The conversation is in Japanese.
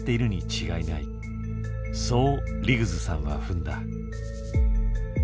そうリグズさんは踏んだ。